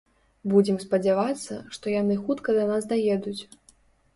Будзем спадзявацца, што яны хутка да нас даедуць.